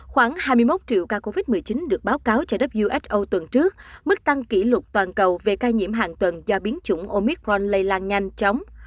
khoảng hai mươi một triệu ca covid một mươi chín được báo cáo cho who tuần trước mức tăng kỷ lục toàn cầu về ca nhiễm hàng tuần do biến chủng omicron lây lan nhanh chóng